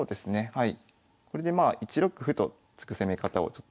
はい。